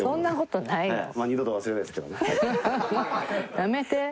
やめて。